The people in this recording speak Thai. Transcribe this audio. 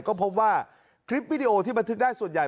ก็พบว่าคลิปวิดีโอที่บันทึกได้ส่วนใหญ่